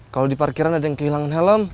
kalau di parkiran ada yang kehilangan helm